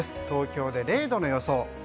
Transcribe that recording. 東京で０度の予想。